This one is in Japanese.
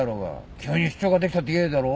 急に出張ができたって言えやいいだろう。